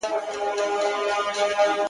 خامخا یې کر د قناعت ثمر را وړی دی,